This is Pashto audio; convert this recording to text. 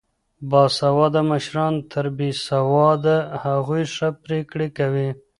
باسواده مشران تر بې سواده هغو ښه پرېکړې کوي.